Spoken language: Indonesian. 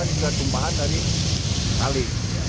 tidak semua kita tumpahan dari kali